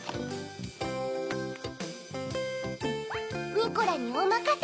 ニコラにおまかせ！